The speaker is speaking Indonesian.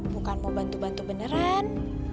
bukan mau bantu bantu beneran